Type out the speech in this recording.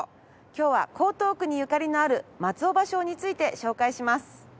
今日は江東区にゆかりのある松尾芭蕉について紹介します。